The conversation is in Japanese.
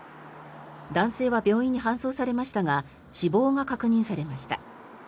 男性は病院に搬送されましたが死亡が確認されました。